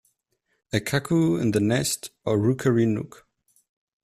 "A Cuckoo in the Nest" or "Rookery Nook".